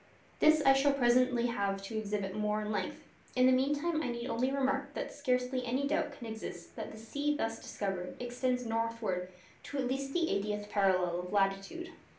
This I shall presently have to exhibit more at length; in the meantime I need only remark that scarcely any doubt can exist that the sea thus discovered extends northwards to at least the eightieth parallel of latitude.